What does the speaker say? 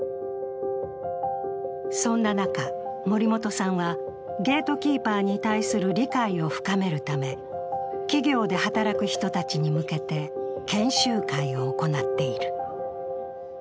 そんな中、森本さんはゲートキーパーに対する理解を深めるため企業で働く人たちに向けて研修会を行っている。